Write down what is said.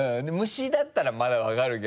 虫だったらまだ分かるけど。